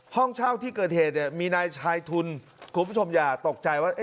ห้องเช่าที่เกิดเหตุเนี่ยมีนายชายทุนคุณผู้ชมอย่าตกใจว่า